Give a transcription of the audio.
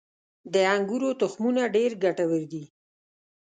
• د انګورو تخمونه ډېر ګټور دي.